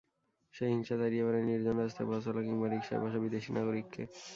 সেই হিংসা তাড়িয়ে বেড়ায় নির্জন রাস্তায় পথচলা কিংবা রিকশায় বসা বিদেশি নাগরিককে।